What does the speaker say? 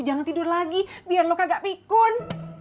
jangan tidur lagi biar lu kagak pikun